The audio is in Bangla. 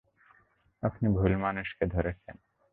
আপনি ভুল মানুষকে ধরেছেন।